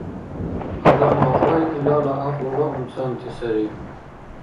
Адамла гъай илала гӀякьлула умцанти сари.